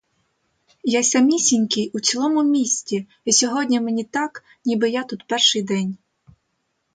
Я самісінький у цілому місті, і сьогодні мені так, ніби я тут перший день.